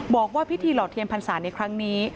บอกว่าพิธีหล่อเทียนพรรษาในครั้งนี้